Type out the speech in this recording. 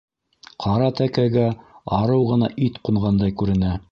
Ҡара тәкәгә арыу ғына ит ҡунғандай күренә.